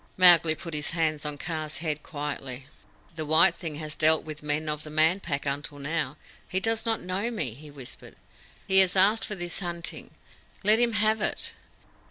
Mowgli put his hand on Kaa's head quietly. "The white thing has dealt with men of the Man Pack until now. He does not know me," he whispered. "He has asked for this hunting. Let him have it."